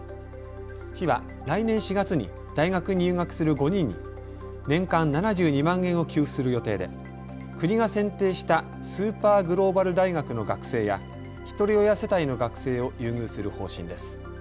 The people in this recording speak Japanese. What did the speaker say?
市は来年４月に大学に入学する５人に年間７２万円を寄付する予定で国が選定したスーパーグローバル大学の学生やひとり親世帯の学生を優遇する方針です。